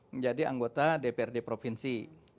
menjadi anggota dprd provinsi